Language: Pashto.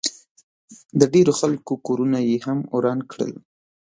د ډېرو خلکو کورونه ئې هم وران کړل